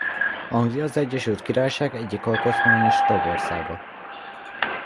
Anglia az Egyesült Királyság egyik alkotmányos tagországa.